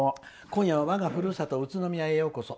今夜は我がふるさと宇都宮へようこそ。